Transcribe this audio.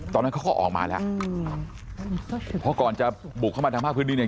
ตอนนั้นเขาก็ออกมาแล้วอืมเพราะก่อนจะบุกเข้ามาทางภาคพื้นดินเนี่ย